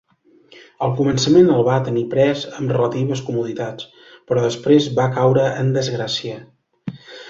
Al començament el va tenir pres amb relatives comoditats però després va caure en desgràcia.